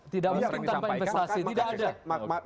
tidak mungkin tanpa investasi tidak ada